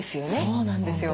そうなんですよ。